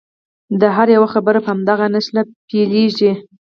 د هر یوه خبره په همدغه نښه پیلیږي.